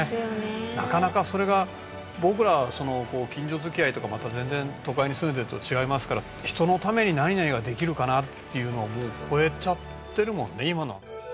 なかなかそれが僕らはご近所付き合いとかまた全然都会に住んでると違いますから人のために何々ができるかなっていうのをもう超えちゃってるもんね。